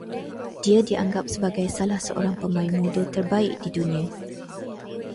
Dia dianggap sebagai salah seorang pemain muda terbaik di dunia